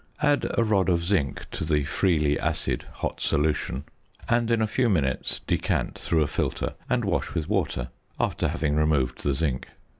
Add a rod of zinc to the freely acid hot solution, and in a few minutes decant through a filter and wash with water, after having removed the zinc.